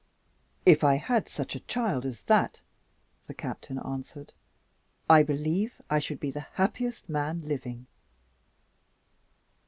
"If I had such a child as that," the Captain answered, "I believe I should be the happiest man living."